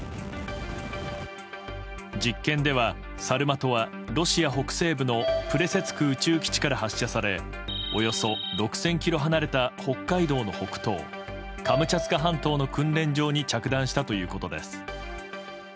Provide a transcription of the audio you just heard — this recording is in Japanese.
実験ではサルマトはロシア北西部のプレセツク宇宙基地から発射されおよそ６０００ｋｍ離れた北海道の北東カムチャツカ半島の訓練場に着弾したということです。